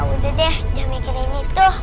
udah deh jangan mikirin itu